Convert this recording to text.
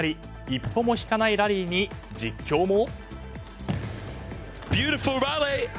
一歩も引かないラリーに実況も。